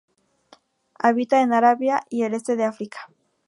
Habita en Arabia y el este de África.